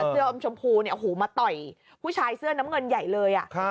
เสื้ออมชมพูมาต่อยผู้ชายเสื้อน้ำเงินใหญ่เลย